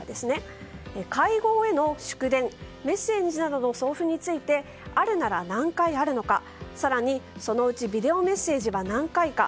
会合への祝電・メッセージなどの送付についてあるなら何回あるのか更に、そのうちビデオメッセージは何回か。